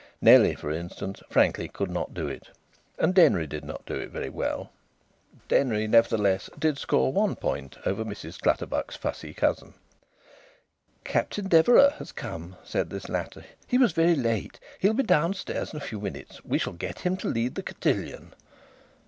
Nellie, for instance, frankly could not do it. And Denry did not do it very well. Denry, nevertheless, did score one point over Mrs Clutterbuck's fussy cousin. "Captain Deverax has come," said this latter. "He was very late. He'll be downstairs in a few minutes. We shall get him to lead the cotillon."